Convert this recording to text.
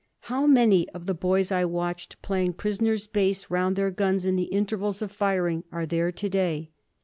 How many of the boys I watched playing prisoners' base round their guns in the intervals of firing are there to day?